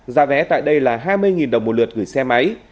giá vé tại đây là hai mươi đồng một lượt gửi xe máy